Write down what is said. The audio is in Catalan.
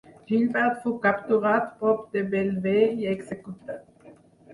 Gibert fou capturat prop de Bellver i executat.